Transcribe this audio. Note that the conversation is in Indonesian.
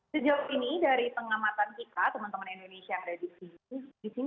sejauh ini dari pengamatan kita teman teman indonesia yang ada di sini